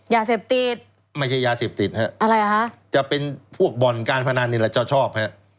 ยาเสพติดอะไรเหรอครับจะเป็นพวกบ่อนการพนันนี่แหละเจ้าชอบ